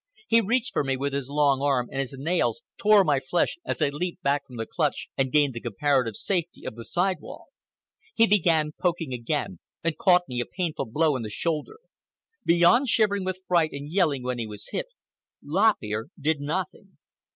He reached for me with his long arm, and his nails tore my flesh as I leaped back from the clutch and gained the comparative safety of the side wall. He began poking again, and caught me a painful blow on the shoulder. Beyond shivering with fright and yelling when he was hit, Lop Ear did nothing.